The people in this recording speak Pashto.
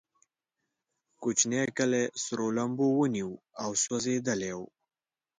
کوچنی کلی سرو لمبو ونیو او سوځېدلی و.